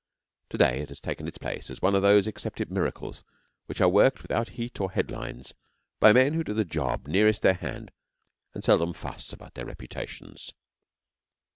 To day it has taken its place as one of those accepted miracles which are worked without heat or headlines by men who do the job nearest their hand and seldom fuss about their reputations.